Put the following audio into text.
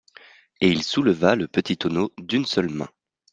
Et il souleva le petit tonneau d'une seule main.